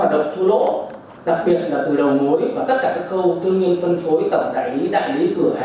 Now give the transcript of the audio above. do các hoạt động thu lỗ đặc biệt là từ đầu mối và tất cả các khâu tương nhiên